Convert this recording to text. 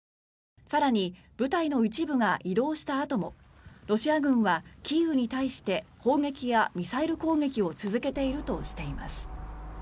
更に、部隊の一部が移動したあともロシア軍はキーウに対して砲撃やミサイル攻撃を続けているとしています。